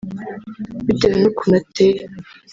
Bitewe n’ukuntu ateye